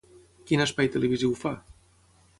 Quin espai televisiu fa?